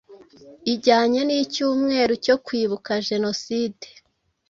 ijyanye n'icyumweru cyo kwibuka jenoside.